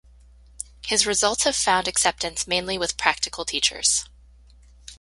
His results have found acceptance mainly with practical teachers.